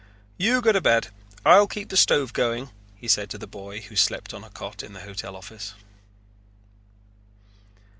"You go to bed. I'll keep the stove going," he said to the boy who slept on a cot in the hotel office.